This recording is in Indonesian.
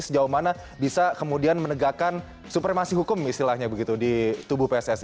sejauh mana bisa kemudian menegakkan supremasi hukum istilahnya begitu di tubuh pssi